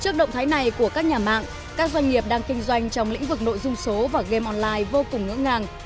trước động thái này của các nhà mạng các doanh nghiệp đang kinh doanh trong lĩnh vực nội dung số và game online vô cùng ngỡ ngàng